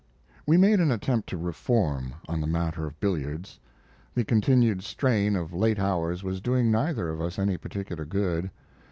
We made an attempt to reform on the matter of billiards. The continued strain of late hours was doing neither of us any particular good.